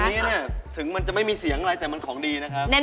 อันนี้เนี่ยถึงมันจะไม่มีเสียงอะไรแต่มันของดีนะครับ